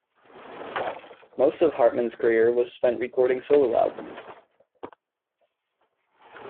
Most of Hartman's career was spent recording solo albums.